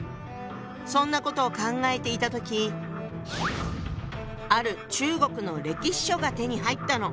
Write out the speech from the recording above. そんなことを考えていた時ある中国の歴史書が手に入ったの。